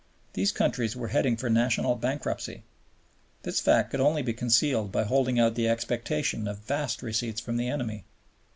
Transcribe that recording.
These countries were heading for national bankruptcy. This fact could only be concealed by holding out the expectation of vast receipts from the enemy.